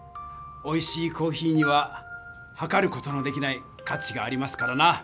おいしいコーヒーには量る事のできない価値がありますからな。